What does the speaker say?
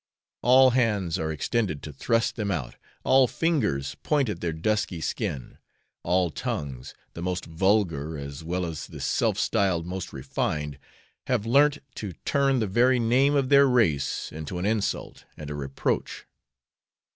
All hands are extended to thrust them out, all fingers point at their dusky skin, all tongues the most vulgar, as well as the self styled most refined have learnt to turn the very name of their race into an insult and a reproach.